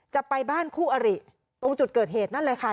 จะไปบ้านคู่อริตรงจุดเกิดเหตุนั่นเลยค่ะ